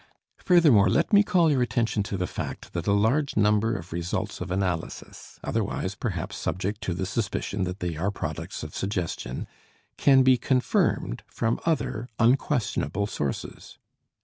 Furthermore, let me call your attention to the fact that a large number of results of analysis, otherwise perhaps subject to the suspicion that they are products of suggestion, can be confirmed from other unquestionable sources.